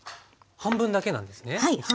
半分だけなんです。